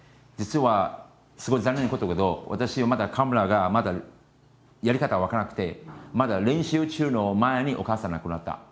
実はすごい残念なことだけど私はまだカメラがまだやり方が分からなくてまだ練習中の前にお母さんが亡くなった。